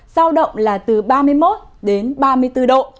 giao động là từ ba mươi một đến ba mươi bốn độ